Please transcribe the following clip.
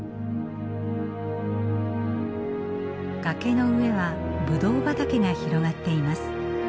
崖の上はぶどう畑が広がっています。